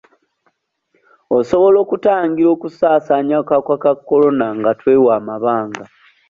Osobola okutangira okusasaanya akawuka ka kolona nga twewa amabanga.